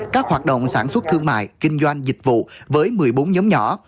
các hoạt động sản xuất thương mại kinh doanh dịch vụ với một mươi bốn nhóm nhỏ